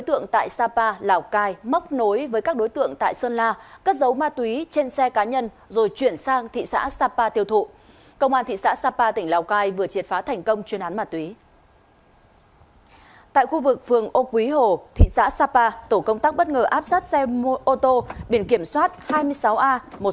tại khu vực phường ô quý hồ thị xã sapa tổ công tác bất ngờ áp sát xe ô tô biển kiểm soát hai mươi sáu a một mươi sáu nghìn năm trăm linh tám